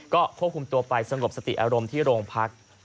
ก็ควบคุมตัวไปสงบสติอารมณ์ที่โรงพัก